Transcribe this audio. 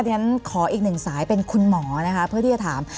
ฉันขออีกหนึ่งสายเป็นคุณหมอนะคะเพื่อที่จะถาม